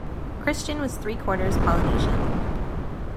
Christian was three quarters Polynesian.